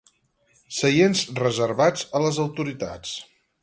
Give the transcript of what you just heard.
Seients reservats a les autoritats.